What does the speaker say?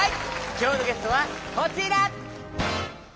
きょうのゲストはこちら！